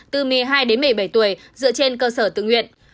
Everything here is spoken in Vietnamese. từ một mươi hai đến một mươi bảy tuổi dựa trên cơ sở tự nguyện